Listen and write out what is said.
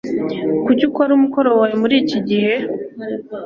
Kuki ukora umukoro wawe muri iki gihe?